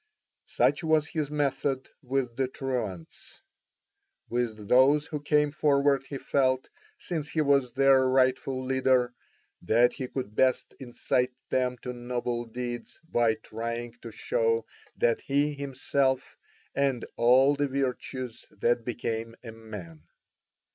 Such was his method with the truants; with those who came forward he felt, since he was their rightful leader, that he could best incite them to noble deeds by trying to show that he himself had all the virtues that became a man.